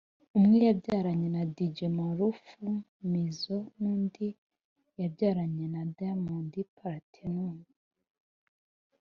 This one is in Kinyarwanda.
umwe yabyaranye na Dj Maarufu Mjizzo n’undi yabyaranye na Diamond Platinumz